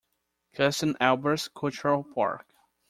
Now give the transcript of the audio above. Custom-Elbers cultural park.